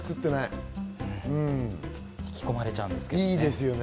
引き込まれちゃうんですよね。